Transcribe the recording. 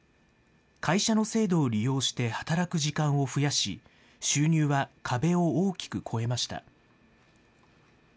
会社の制度を利用して働く時間を増やし、収入は壁を大きく超えました。